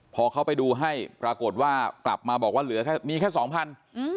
พอเขาไปดูให้ปรากฏว่ากลับมาบอกว่าเหลือแค่มีแค่สองพัน